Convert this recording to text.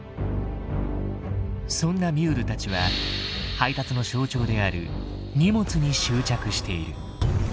そんなミュールたちは配達の象徴である荷物に執着している。